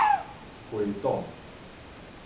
回檔